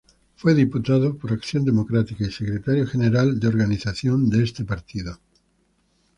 Fue diputado por Acción Democrática y secretario general de organización de este partido.